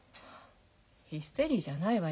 ヒステリーじゃないわよ。